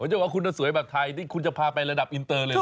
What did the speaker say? จะว่าคุณจะสวยแบบไทยนี่คุณจะพาไประดับอินเตอร์เลยนะ